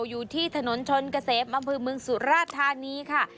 อยู่ที่ถนนชนเกษมอำเภอเมืองสุราธานีค่ะ